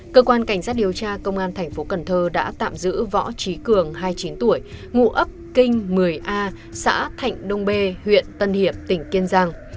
cơ quan cảnh sát điều tra công an tp cnh đã tạm giữ võ trí cường hai mươi chín tuổi ngụ ấp kinh một mươi a xã thạnh đông bê huyện tân hiệp tỉnh kiên giang